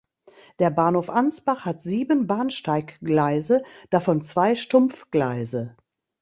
Der Bahnhof Ansbach hat sieben Bahnsteiggleise, davon zwei Stumpfgleise.